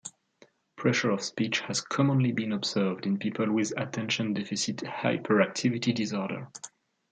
Pressure of speech has commonly been observed in people with attention deficit hyperactivity disorder.